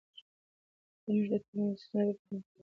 که موږ د ټولنې ستونزې وپېژنو نو بریالي کیږو.